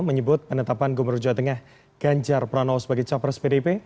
menyebut penetapan gubernur jawa tengah ganjar pranowo sebagai capres pdp